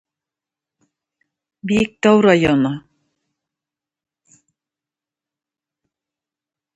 Биектау районы